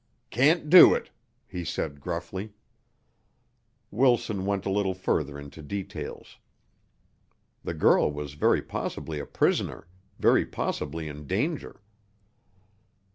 "Can't do it," he said gruffly. Wilson went a little further into details. The girl was very possibly a prisoner very possibly in danger.